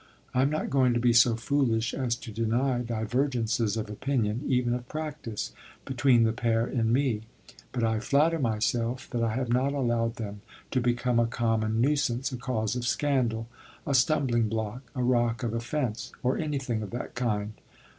I am not going to be so foolish as to deny divergences of opinion, even of practice, between the pair in me; but I flatter myself that I have not allowed them to become a common nuisance, a cause of scandal, a stumbling block, a rock of offence, or anything of that kind.